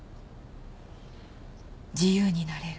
自由になれる。